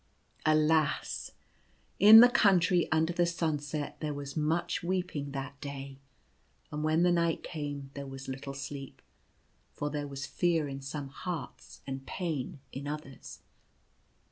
Alas ! in the Country Under the Sunset there was much weeping that day ; and when the night came there was little sleep, for there was fear in some hearts and pain in others.